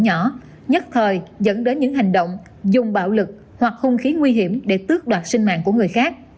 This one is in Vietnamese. những vụ án nhỏ nhất thời dẫn đến những hành động dùng bạo lực hoặc hung khí nguy hiểm để tước đoạt sinh mạng của người khác